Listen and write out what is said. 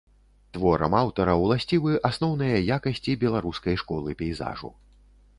Творам аўтара ўласцівы асноўныя якасці беларускай школы пейзажу.